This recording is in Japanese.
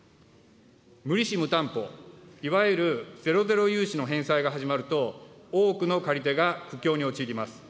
無利子無担保、いわゆるゼロゼロ融資の返済が始まると始まると、多くの借り手が苦境に陥ります。